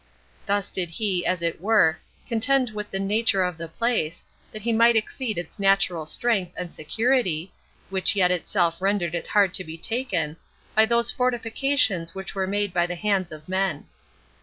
Thus did he, as it were, contend with the nature of the place, that he might exceed its natural strength and security [which yet itself rendered it hard to be taken] by those fortifications which were made by the hands of men.